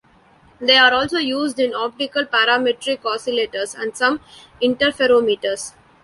They are also used in optical parametric oscillators and some interferometers.